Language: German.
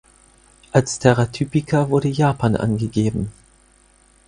Als Terra typica wurde Japan angegeben.